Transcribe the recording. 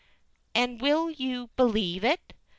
And will you believe it?